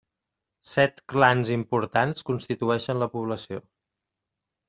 Set clans importants constitueixen la població.